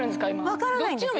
分からないんです。